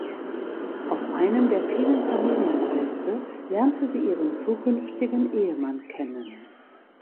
Auf einem der vielen Familienfeste lernte sie ihren zukünftigen Ehemann kennen.